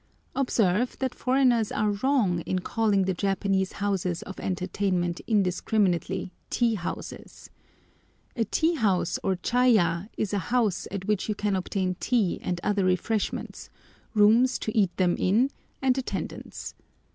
Observe that foreigners are wrong in calling the Japanese houses of entertainment indiscriminately "tea houses." A tea house or chaya is a house at which you can obtain tea and other refreshments, rooms to eat them in, and attendance.